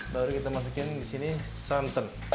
baru kita masukkan disini santan